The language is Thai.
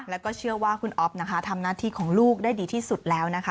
แล้วก็เชื่อว่าคุณอ๊อฟนะคะทำหน้าที่ของลูกได้ดีที่สุดแล้วนะคะ